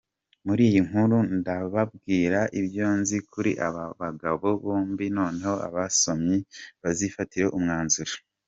Muri iyi nkuru, ndababwira ibyo nzi kuri aba bagabo bombi noneho abasomyi bazifatire umwanzuro.